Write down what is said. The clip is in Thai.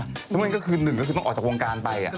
เพราะฉะนั้นก็คือหนึ่งคือต้องออกจากวงการไป